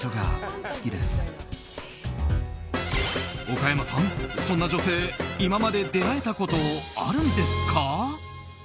岡山さん、そんな女性今まで出会えたことあるんですか。